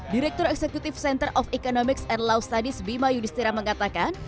direktur eksekutif center of economics and law studies bima yudhistira mengatakan